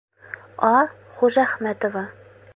А. ХУЖӘХМӘТОВА.